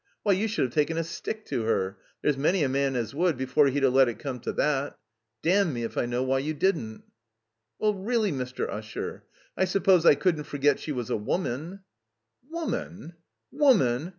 Why, you should have taken a stick to her. There's many a man as would, before he'd 'a' let it come to that. Damn me if I know why you didn't." "Well, really, Mr. Usher, I suppose I couldn't for get she was a woman." Woman?